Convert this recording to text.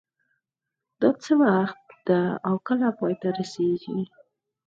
دا څه وخت ده او کله پای ته رسیږي